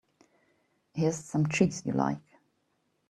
Here's some cheese you like.